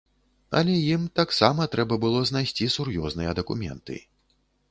Але ім таксама трэба было знайсці сур'ёзныя дакументы.